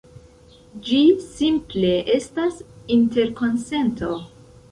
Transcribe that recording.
Ĝi simple estas interkonsento.